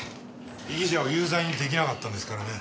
被疑者を有罪に出来なかったんですからね。